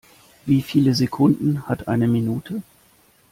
Wie viele Sekunden hat eine Minute?